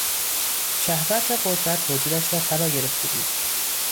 شهوت قدرت وجودش را فراگرفته بود.